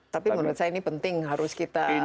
tapi menurut saya ini penting harus kita peringati lah ya